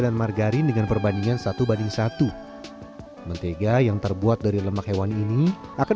dan margarin dengan perbandingan satu banding satu mentega yang terbuat dari lemak hewan ini akan